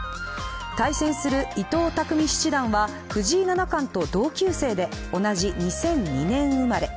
対戦する伊藤匠七段は藤井七冠と同級生で、同じ２００２年生まれ。